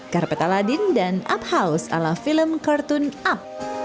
karpet aladin dan up house ala film kartun up